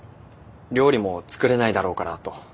料理も作れないだろうからと。